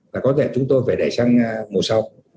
là có thể chúng tôi phải đẩy sang mùa sau